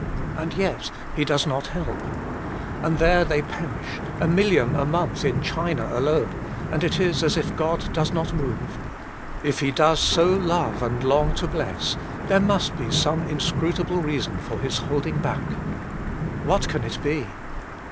And yet He does not help. And there they perish, a million a month in China alone, and it 172 THE MINISTRY OF INTERCESSION is as if God does not move. If He does so love and long to bless, there must be some inscrutable reason for His holding back. What can it be